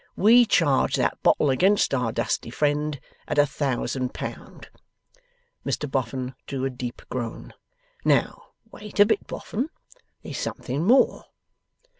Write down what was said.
We charge that bottle against our dusty friend at a thousand pound.' Mr Boffin drew a deep groan. 'Now, wait a bit, Boffin; there's something more.